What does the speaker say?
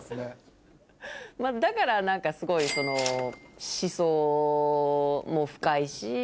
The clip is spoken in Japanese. だから何かすごい思想も深いし。